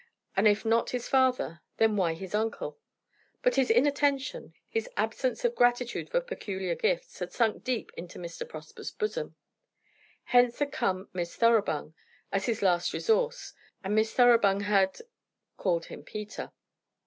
And if not his father, then why his uncle? But his inattention, his absence of gratitude for peculiar gifts, had sunk deep into Mr. Prosper's bosom. Hence had come Miss Thoroughbung as his last resource, and Miss Thoroughbung had called him Peter.